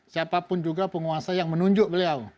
siapapun juga penguasa yang menunjuk beliau